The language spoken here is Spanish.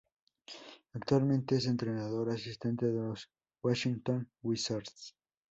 Actualmente es entrenador asistente de los Washington Wizards.